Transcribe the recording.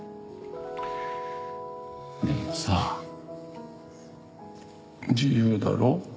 でもさ自由だろ。